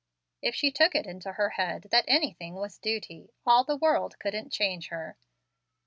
If she took it into her head that anything was 'duty,' all the world couldn't change her.